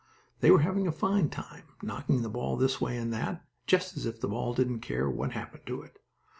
They were having a fine time, knocking the ball this way and that, just as if the ball didn't care what happened to it.